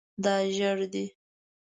دا زیړ دی